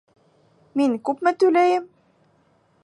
Мин күпме түләйем?